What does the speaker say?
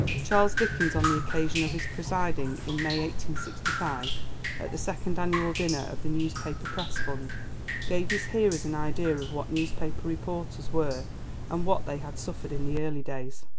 Charles Dickens, on the occasion of his presiding, in May 1865, at the second annual dinner of the Newspaper Press Fund, gave his hearers an idea of what newspaper reporters were and what they suffered in the early days.